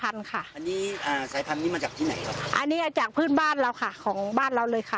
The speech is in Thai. อันนี้จากพื้นบ้านเราค่ะของบ้านเราเลยค่ะ